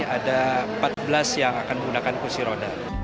ada empat belas yang akan menggunakan kursi roda